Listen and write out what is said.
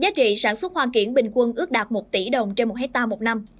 giá trị sản xuất hoa kiển bình quân ước đạt một tỷ đồng trên một hectare một năm